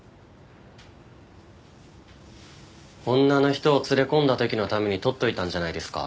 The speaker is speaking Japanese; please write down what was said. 女の人を連れ込んだ時のためにとっておいたんじゃないですか。